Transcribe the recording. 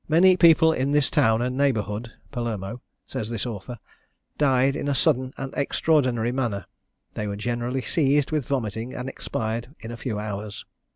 "Many people in this town and neighbourhood," (Palermo,) says this author, "died in a sudden and extraordinary manner; they were generally seized with vomiting, and expired in a few hours.